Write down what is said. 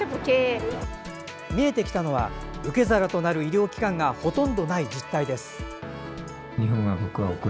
見えてきたのは受け皿となる医療機関がほとんどない実態です。